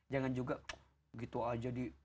jangan juga gitu aja di